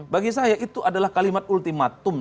bagi saya itu adalah kalimat ultimatum